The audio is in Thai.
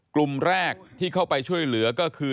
กลุ่มแรกที่เข้าไปช่วยเหลือก็คือ